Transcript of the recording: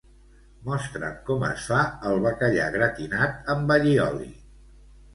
Mostra'm com es fa el bacallà gratinat amb allioli.